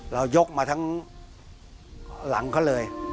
ยกมาทั้งหลังเขาเลย